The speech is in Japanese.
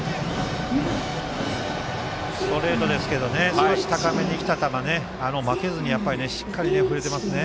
ストレートですけど少し高めに来た球を負けずにしっかり振れていますね。